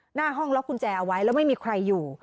หน้าห้องล็อกกุญแจเอาไว้แล้วไม่มีใครอยู่